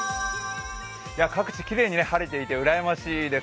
各地きれいに晴れていて羨ましいです。